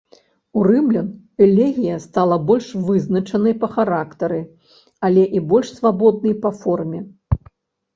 У рымлян элегія стала больш вызначанай па характары, але і больш свабоднай па форме.